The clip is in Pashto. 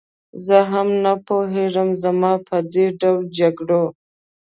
زه هم نه پوهېږم، زما په دې ډول جګړو.